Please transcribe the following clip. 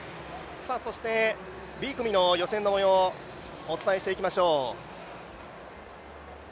そしてＢ組の予選の模様、お伝えしてまいりましょう。